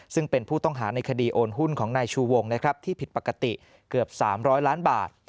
ซึ่งเป็นผู้ต้องหาในคดีโอนหุ้นของนายชูวงนะครับที่ผิดปกติเกือบ๓๐๐ล้านบาท